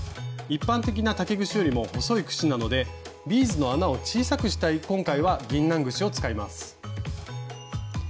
一般的な竹串よりも細い串なのでビーズの穴を小さくしたい今回はぎんなん串を使います。